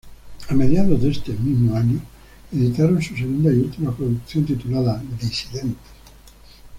A mediados de ese mismo año editaron su segunda y última producción, titulada "Disidentes".